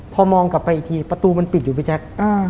พอมองกลับไปอีกทีประตูมันปิดอยู่พี่แจ๊ค